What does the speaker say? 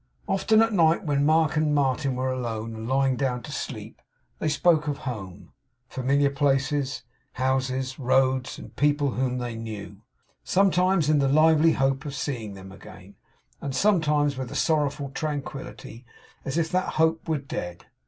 Often at night when Mark and Martin were alone, and lying down to sleep, they spoke of home, familiar places, houses, roads, and people whom they knew; sometimes in the lively hope of seeing them again, and sometimes with a sorrowful tranquillity, as if that hope were dead.